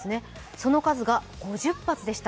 その数が５０発でした。